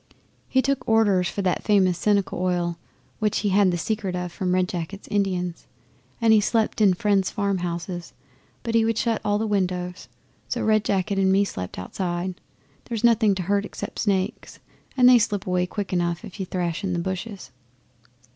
He took orders for that famous Seneca Oil which he had the secret of from Red Jacket's Indians, and he slept in friends' farmhouses, but he would shut all the windows; so Red Jacket and me slept outside. There's nothing to hurt except snakes and they slip away quick enough if you thrash in the bushes.